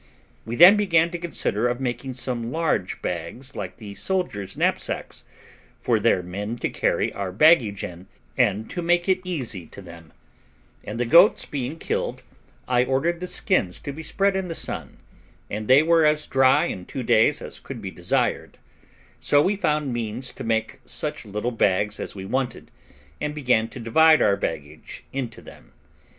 We then began to consider of making some large bags like the soldiers' knapsacks, for their men to carry our baggage in, and to make it easy to them; and the goats being killed, I ordered the skins to be spread in the sun, and they were as dry in two days as could be desired; so we found means to make such little bags as we wanted, and began to divide our baggage into them.